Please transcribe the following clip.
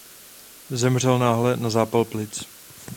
Zemřel náhle na zápal plic.